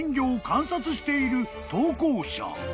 観察している投稿者］